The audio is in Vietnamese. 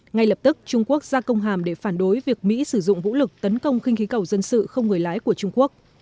ngay lập tức trung quốc ra công hàm để phản đối việc mỹ sử dụng vũ lực tấn công khinh khí cầu dân sự không người lái của trung quốc